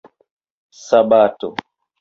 sabato